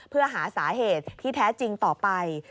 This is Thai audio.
เพื่อหาสาเหตุที่แท้จริงต่อไป